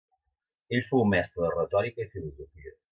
Ell fou mestre de retòrica i filosofia.